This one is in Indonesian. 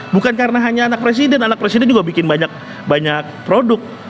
bukan karena hanya anak presiden anak presiden juga bikin banyak produk